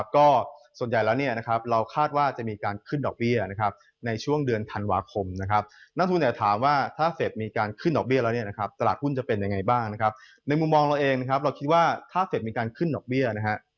ก็ส่วนใหญ่เราถามว่าจะมีการขึ้นนอกเบี้ย